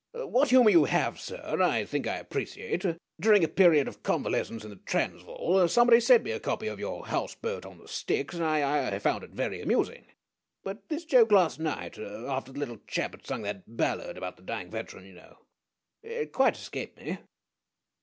What humor you have, sir, I think I appreciate. During a period of convalescence in the Transvaal somebody sent me a copy of your 'House Boat on the Styx,' and I I I found it very amusing; but this joke last night after the little chap had sung that ballad about the dying veteran you know it quite escaped me.